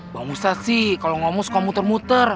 bang ustadz sih kalau ngomong sekalian muter muter